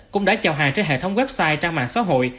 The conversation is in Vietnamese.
cũng đã chào hàng trên hệ thống website trang mạng xã hội